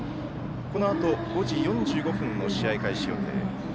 このあと５時４５分の試合開始予定。